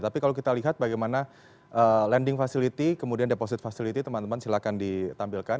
tapi kalau kita lihat bagaimana lending facility kemudian deposit facility teman teman silahkan ditampilkan